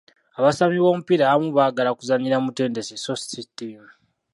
Abasambi b'omupiira abamu baagala kuzannyira mutendesi so si ttiimu.